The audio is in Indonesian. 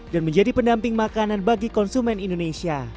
dan menjadi pendamping makanan bagi pemerintah indonesia